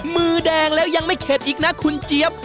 มือแดงแล้วยังไม่เข็ดอีกนะคุณเจี๊ยบ